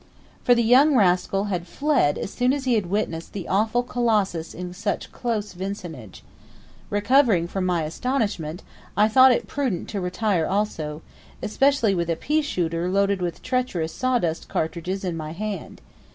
For the young rascal had fled as soon as he had witnessed the awful colossus in such close vicinage. Recovering from my astonishment, I thought it prudent to retire also especially, with a pea shooter loaded with treacherous sawdust cartridges in my hand.